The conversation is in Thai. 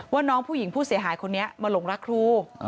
ว่าน้องผู้หญิงผู้เสียหายคนนี้มาหลงรักครู